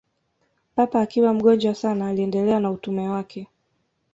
Papa akiwa mgonjwa sana aliendelea na utume wake